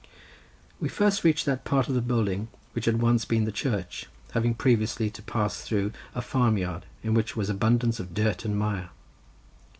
We first reached that part of the building which had once been the church, having previously to pass through a farm yard, in which was abundance of dirt and mire.